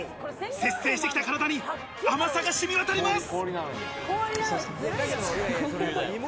節制してきた体に甘さが染み渡ります。